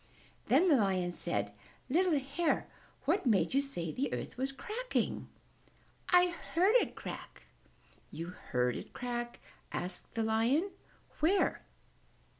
Then the Lion said, "Little Hare, what made you say the earth was cracking?" "I heard it crack." "You heard it crack?" said the Lion. "Where?"